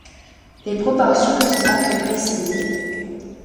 Les proportions ne sont pas très précises.